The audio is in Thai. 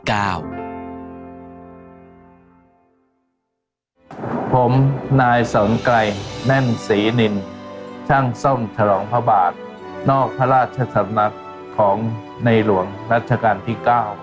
ผมนายสนไกรแน่นศรีนินช่างซ่อมฉลองพระบาทนอกพระราชสำนักของในหลวงรัชกาลที่๙